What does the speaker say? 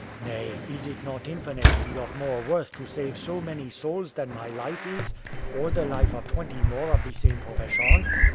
nay, is it not infinitely of more worth to save so many souls than my life is, or the life of twenty more of the same profession?